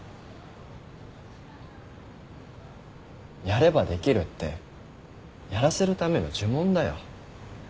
やればできるってやらせるための呪文だよ。